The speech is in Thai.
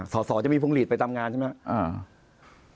ส่อจะมีพวงลีดไปตามงานใช่ไหม